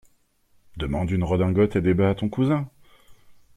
Demande une redingote et des bas à ton cousin!